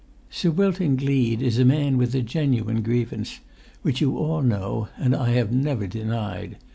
Sir Wilton Gleed is a man with a genuine grievance, which you all know and I have never denied.